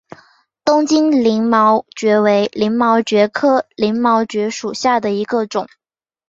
东京鳞毛蕨为鳞毛蕨科鳞毛蕨属下的一个种。